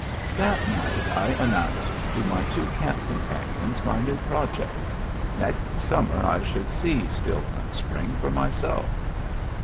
That night I announced to my two camp com panions my new project : next summer I should see Still Hunt Spring for myself.